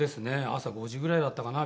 朝５時ぐらいだったかな？